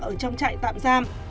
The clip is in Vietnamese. ở trong trại tạm giam